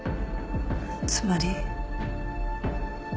つまり。